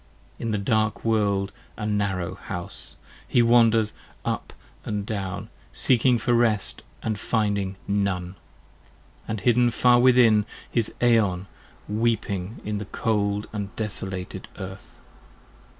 In the dark world, a narrow house! he wanders up and down, 15 Seeking for rest and finding none! and hidden far within, His Eon weeping in the cold and desolated Earth.